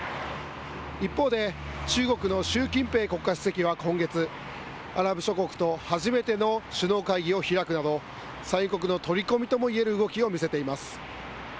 一方で、中国の習近平国家主席は今月、アラブ諸国と初めての首脳会議を開くなど、産油国の取り込みともいえる動きを見せています。